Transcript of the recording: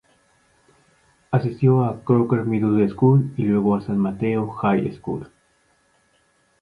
Asistió a Crocker Middle School y luego a San Mateo High School.